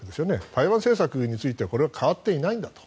台湾政策についてはこれは変わっていないんだと。